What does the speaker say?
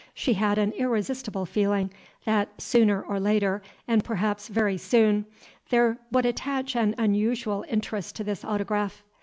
She had an irresistible feeling, that, sooner or later, and perhaps very soon, there would attach an unusual interest to this autograph.